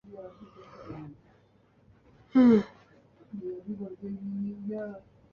نواز Sharif cricket board میں تباہی کی ذمہ داری قبول کریں عمران خان